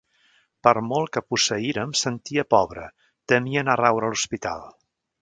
Per molt que posseïra, em sentia pobre, temia anar a raure a l’hospital.